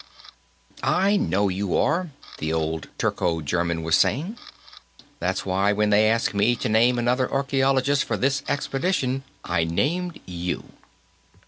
"I know you are," the old Turco German was saying. "That's why, when they asked me to name another archaeologist for this expedition, I named you."